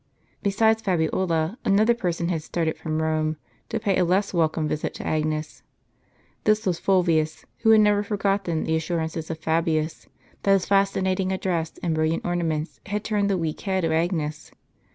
Besides Fabiola, another person had started from Rome, to pay a less welcome visit to Agnes. This was Fulvius, who had never forgotten the assurances of Fabius, that his fascinating address and brilliant ornaments had turned the weak head of Agnes.